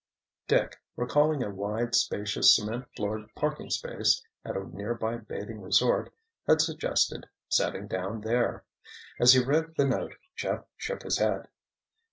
Dick, recalling a wide, spacious cement floored parking space at a nearby bathing resort, had suggested "setting down" there. As he read the note Jeff shook his head.